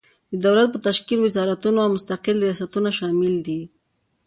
د دولت په تشکیل کې وزارتونه او مستقل ریاستونه شامل دي.